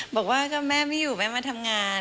บอกว่าก็แม่ไม่อยู่แม่มาทำงาน